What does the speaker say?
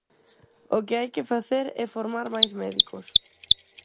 O que hai que facer é formar máis médicos.